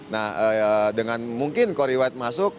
nah dengan mungkin core white masuk